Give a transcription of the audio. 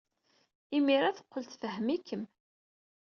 Imir-a, teqqel tfehhem-ikem.